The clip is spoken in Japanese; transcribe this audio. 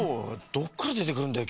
どっからでてくるんだよ